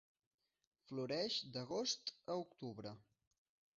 Floreix d'agost a octubre.